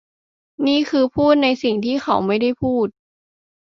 นี่คือพูดในสิ่งที่เขาไม่ได้พูด